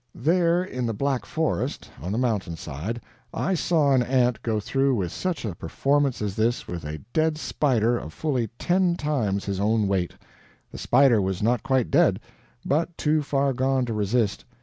There in the Black Forest, on the mountainside, I saw an ant go through with such a performance as this with a dead spider of fully ten times his own weight. The spider was not quite dead, but too far gone to resist.